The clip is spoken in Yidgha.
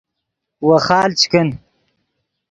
ویخال چے کن